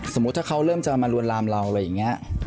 สมมุติถ้าเขาเริ่มจะมารวรรำเรา